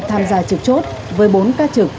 tham gia trực chốt với bốn ca trực